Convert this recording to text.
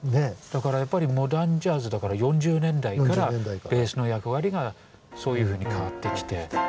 だからやっぱりモダンジャズだから４０年代からベースの役割がそういうふうに変わってきて。